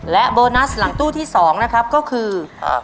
และโบนัสหลังตู้ที่๒นะครับก็คือ